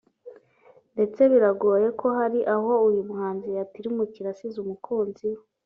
ndetse biragoye ko hari aho uyu muhanzi yatirimukira asize umukunzi we